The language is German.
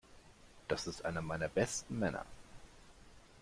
Das ist einer meiner besten Männer.